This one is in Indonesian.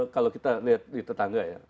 kalau kita lihat di tetangga ya